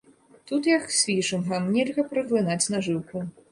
Тут, як з фішынгам, нельга праглынаць нажыўку.